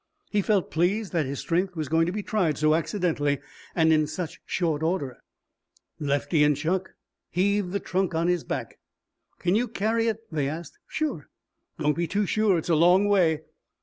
He felt pleased that his strength was going to be tried so accidentally and in such short order. Lefty and Chuck heaved the trunk on his back. "Can you carry it?" they asked. "Sure." "Don't be too sure. It's a long way."